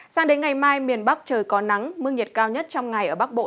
sang đến ngày mai miền bắc trời có nắng mức nhiệt cao nhất trong ngày ở bắc bộ